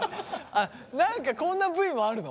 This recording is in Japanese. あっ何かこんなＶもあるの？